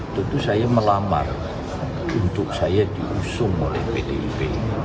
tentu saya melamar untuk saya diusung oleh pdip